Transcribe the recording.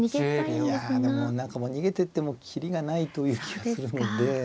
いやでも何かもう逃げてっても切りがないという気がするので。